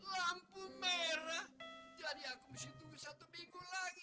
lampu merah jadi aku mesti tunggu satu minggu lagi